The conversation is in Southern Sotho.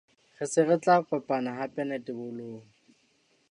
Re se re tla kopana hape netebolong.